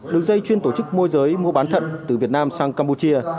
đường dây chuyên tổ chức môi giới mua bán thận từ việt nam sang campuchia